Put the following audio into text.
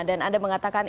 dan anda mengatakan